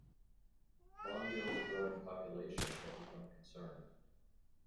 Longdale's growing population had become a concern.